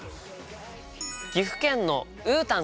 岐阜県のうーたんさん